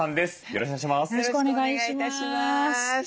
よろしくお願いします。